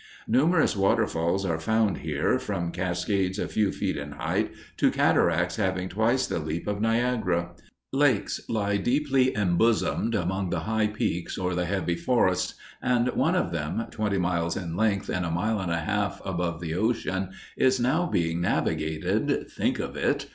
Numerous waterfalls are found here, from cascades a few feet in height to cataracts having twice the leap of Niagara; lakes lie deeply embosomed among the high peaks or the heavy forests, and one of them, twenty miles in length and a mile and a half above the ocean, is now being navigated think of it!